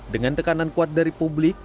dengan tekanan kuat dari publik